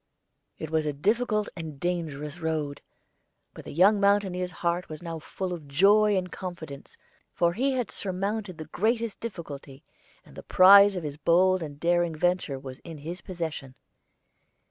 It was a difficult and dangerous road; but the young mountaineer's heart was now full of joy and confidence, for he had surmounted the greatest difficulty, and the prize of his bold and daring venture was in his possession.